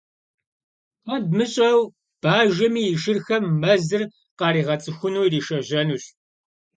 Куэд мыщӀэу бажэми и шырхэм мэзыр къаригъэцӏыхуну иришэжьэнущ.